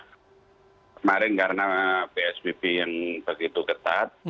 kemarin karena psbb yang begitu ketat